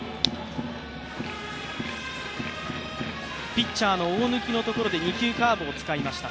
ピッチャーの大貫で２球カーブを使いました。